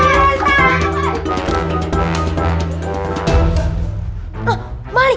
kami bukan balik